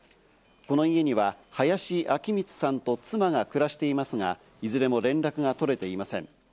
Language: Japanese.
この家には林明光さんと妻が暮らしていますが、いずれも連絡が取れていません。